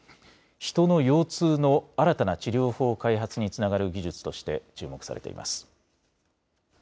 ヒトの腰痛の新たな治療法開発につながる技術として注目されています。